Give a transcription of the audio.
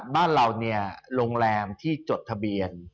บ้านเราเนี่ยโรงแรมที่จดทะเบียน